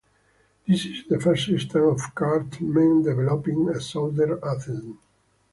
This is the first instance of Cartmen developing a southern accent.